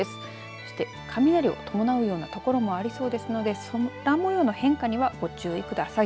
そして雷を伴うようなところもありそうですので空もようの変化にはご注意ください。